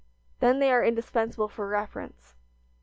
Then they are indispensable for reference.